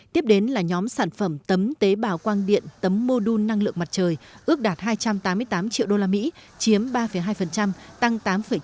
tiếp đến là nhóm sản phẩm tấm tế bào quang điện tấm mô đun năng lượng mặt trời ước đạt hai trăm tám mươi tám triệu usd chiếm ba hai tăng tám chín